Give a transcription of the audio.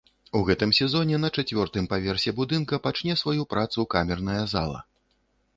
У гэтым сезоне на чацвёртым паверсе будынка пачне сваю працу камерная зала.